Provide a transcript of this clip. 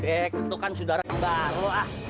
bek itu kan sudara tembak